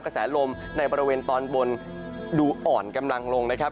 กระแสลมในบริเวณตอนบนดูอ่อนกำลังลงนะครับ